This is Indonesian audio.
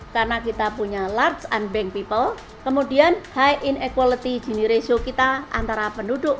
karena kita punya large and bank people kemudian high inequality gini ratio kita antara penduduk